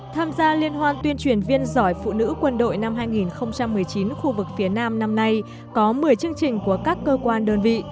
tham gia liên hoan tuyên truyền viên giỏi phụ nữ quân đội năm hai nghìn một mươi chín khu vực phía nam năm nay có một mươi chương trình của các cơ quan đơn vị